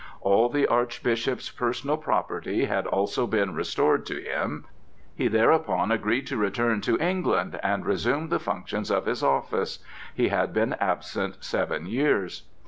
All the Archbishop's personal property had also been restored to him; he thereupon agreed to return to England and resume the functions of his office. He had been absent seven years.